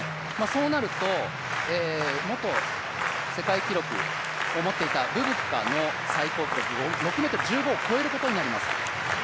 そうなると、元世界記録を持っていたブブカの最高記録、６ｍ１５を越えることになります。